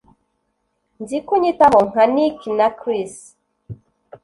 nzi ko unyitaho nka nick na chris